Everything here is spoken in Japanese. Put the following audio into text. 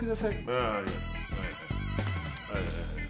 あありがとう。